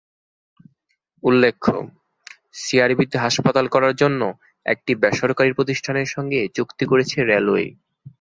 উল্লেখ্য, সিআরবিতে হাসপাতাল করার জন্য একটি বেসরকারি প্রতিষ্ঠানের সঙ্গে চুক্তি করেছে রেলওয়ে।